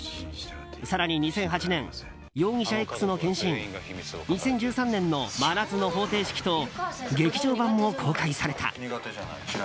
更に２００８年「容疑者ｘの献身」２０１３年の「真夏の方程式」と劇場版も公開された。